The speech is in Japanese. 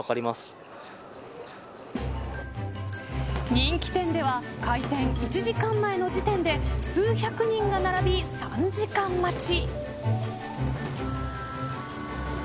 人気店では開店１時間前の時点で数百人が並び、３時間待ち。